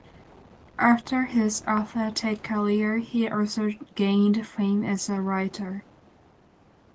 After his athletic career, he also gained fame as a writer.